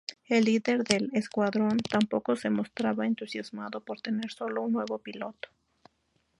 El líder del escuadrón tampoco se mostraba entusiasmado por tener sólo un nuevo piloto.